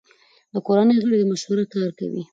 د کورنۍ غړي په مشوره کار کوي.